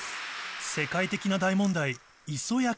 世界的な大問題